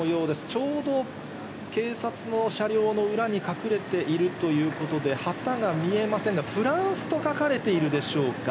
ちょうど警察の車両の裏に隠れているということで、旗が見えませんが、フランスと書かれているでしょうか？